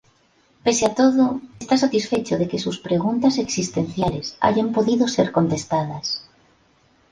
Pese a todo, está satisfecho de que sus preguntas existenciales hayan podido ser contestadas.